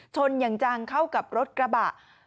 ชนอย่างจังเข้ากับรถกระบะ